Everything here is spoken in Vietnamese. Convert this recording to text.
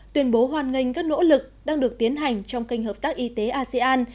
tuyên bố hoàn ngành các nỗ lực đang được tiến hành trong kênh hợp tác y tế asean